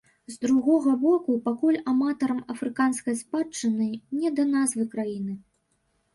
З другога боку, пакуль аматарам афрыканскай спадчыны не да назвы краіны.